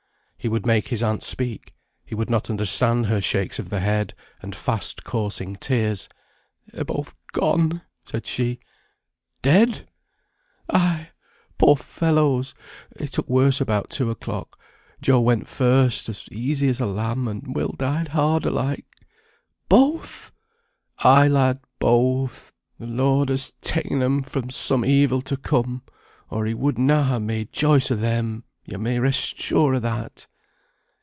He would make his aunt speak; he would not understand her shakes of the head and fast coursing tears. "They're both gone," said she. "Dead!" "Ay! poor fellows. They took worse about two o'clock. Joe went first, as easy as a lamb, and Will died harder like." "Both!" "Ay, lad! both. The Lord has ta'en them from some evil to come, or He would na ha' made choice o' them. Ye may rest sure o' that."